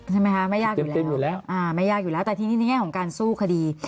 ใช่ไหมคะไม่ยากอยู่แล้วอ่าไม่ยากอยู่แล้วแต่ทีนี้ในแง่ของการสู้คดี